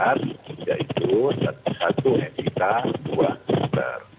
karena itu satu etika dua super